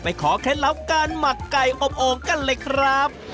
ขอเคล็ดลับการหมักไก่อบโอ่งกันเลยครับ